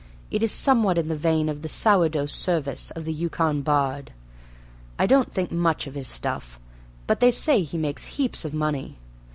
It is somewhat in the vein of "Sourdough" Service, the Yukon bard. I don't think much of his stuff, but they say he makes heaps of money.